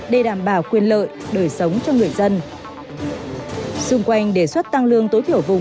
để đảm bảo quyền lợi